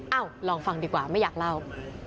ลองฟังดีกว่าไม่อยากเล่า